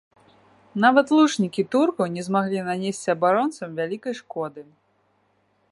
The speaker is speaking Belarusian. Нават лучнікі туркаў не змаглі нанесці абаронцам вялікай шкоды.